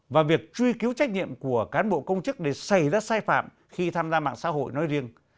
và việc truy cứu trách nhiệm của cán bộ công chức để xảy ra sai phạm khi tham gia mạng xã hội nói riêng